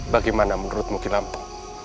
bagaimana menurutmu kilampu